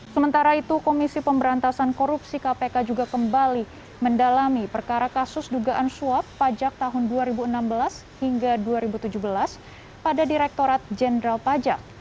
sementara itu komisi pemberantasan korupsi kpk juga kembali mendalami perkara kasus dugaan suap pajak tahun dua ribu enam belas hingga dua ribu tujuh belas pada direktorat jenderal pajak